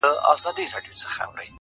لا به په تا پسي توېږي اوښکي_